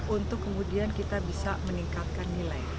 untuk kemudian kita bisa meningkatkan nilai